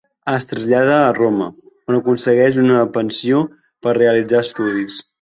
Es trasllada a Roma, on aconsegueix una pensió per a realitzar estudis.